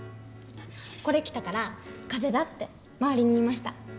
これ来たから風邪だって周りに言いました。